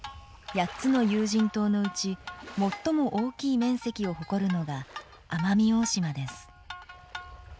８つの有人島のうち、最も大きい面積を誇るのが奄美大島です。